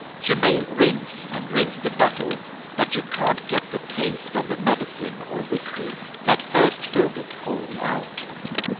You may rinse and rinse the bottle, but you can't get the taste of the medicine or whiskey that first filled it wholly out.